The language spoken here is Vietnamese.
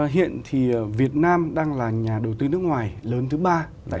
hiện thì việt nam đang là nhà đầu tư nước ngoài lớn thứ ba